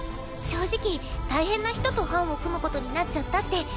正直大変な人と班を組むことになっちゃったって